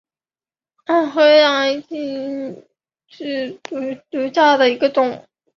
阿尔泰葶苈为十字花科葶苈属下的一个种。